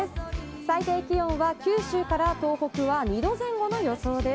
最低気温は九州から東北は２度前後の予想です。